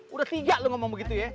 udah tiga loh ngomong begitu ya